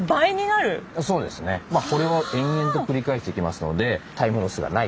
これを延々と繰り返していきますのでタイムロスがないと。